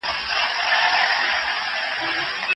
ملکيت يو امانت دی.